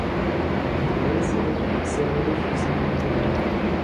Dvě z nich jsem již zmínil.